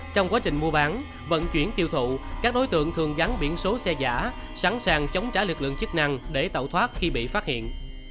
trong quá trình mua bán vận chuyển tiêu thụ các đối tượng thường gắn biển số xe giả sẵn sàng chống trả lực lượng chức năng để tẩu thoát khi bị phát hiện